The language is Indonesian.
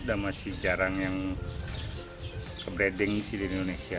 dan masih jarang yang kebeding di indonesia